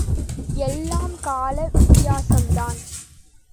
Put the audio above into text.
எல்லாம் கால வித்தியாசம்தான்.